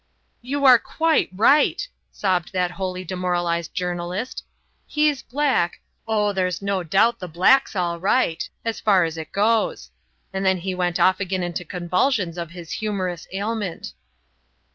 "You are quit right," sobbed that wholly demoralized journalist. "He's black, oh, there's no doubt the black's all right as far as it goes." And he went off again into convulsions of his humorous ailment.